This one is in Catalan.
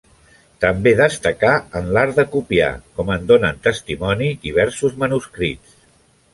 També destacà en l'art de copiar, com en donen testimoni diversos manuscrits.